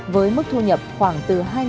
với mức thu nhập khoảng từ